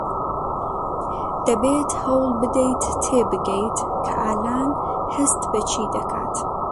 دەبێت هەوڵ بدەیت تێبگەیت کە ئالان هەست بە چی دەکات.